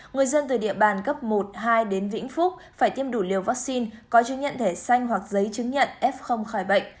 người dân từ địa bàn cấp một hai đến vĩnh phúc phải tiêm đủ liều vaccine có chứng nhận thẻ xanh hoặc giấy chứng nhận f khỏi bệnh